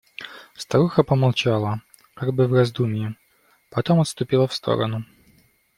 Старуха помолчала, как бы в раздумье, потом отступила в сторону.